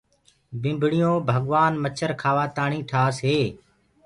ڀمڀڻيو ڀگوآن مڇر کآوآ تآڻي ٺآس هي۔